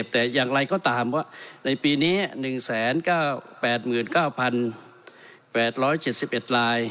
แต่อย่างไรก็ตามว่าในปีนี้๑๙๘๙๘๗๑ลาย